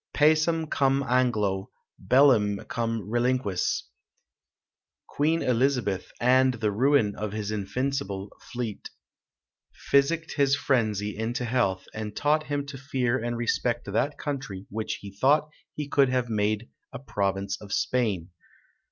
Pacem cum Anglo, bellum cum reliquis. Queen Elizabeth, and the ruin of his invincible fleet, physicked his frenzy into health, and taught him to fear and respect that country which he thought he could have made a province of Spain.